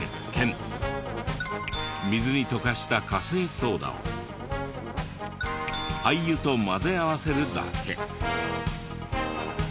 水に溶かした苛性ソーダを廃油と混ぜ合わせるだけ。